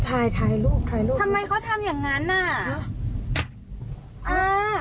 ถ่ายถ่ายรูปถ่ายรูปทำไมเขาทำอย่างงั้นอ่ะอ่า